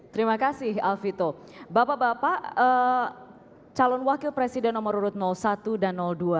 terima kasih alfito bapak bapak calon wakil presiden nomor urut satu dan dua